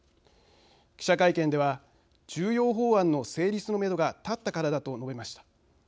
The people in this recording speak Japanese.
記者会見では「重要法案の成立のめどがたったからだ」と述べました。